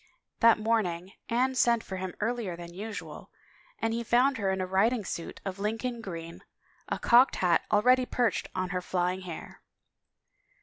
That morning Anne sent for him earlier than usual and he found her in a riding suit of Lincoln green, a cocked hat already perched on her flying hair.